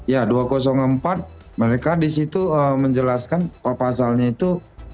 ya dua ratus empat mereka di situ menjelaskan pasalnya itu